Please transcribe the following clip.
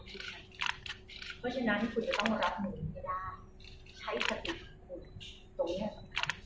เพราะฉะนั้นคุณจะต้องรับมือคุณจะได้ใช้สติของคุณตรงนี้สำคัญ